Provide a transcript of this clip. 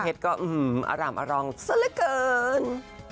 เพชรก็อร่ำอร่องซะละเกิน